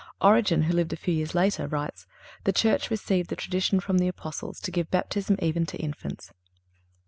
(341) Origen, who lived a few years later, writes: "The Church received the tradition from the Apostles, to give baptism even to infants."